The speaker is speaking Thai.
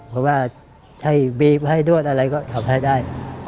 เพราะว่าให้บีบให้นวดอะไรก็ทำให้ได้